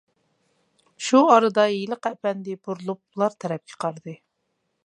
شۇ ئارىدا ھېلىقى ئەپەندى بۇرۇلۇپ ئۇلار تەرەپكە قارىدى.